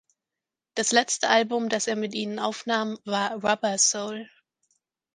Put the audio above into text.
Das letzte Album, das er mit ihnen aufnahm, war "Rubber Soul".